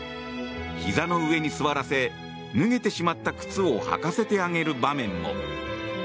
ひざの上に座らせ脱げてしまった靴を履かせてあげる場面も。